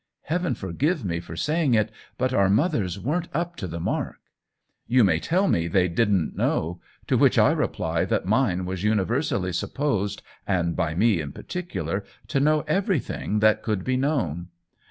Heaven forgive me for saying it, but our mothers weren't up to the mark ! You may tell me they didn't know; to which I reply that mine was universally supposed, and by me in particular, to know everything that could be known.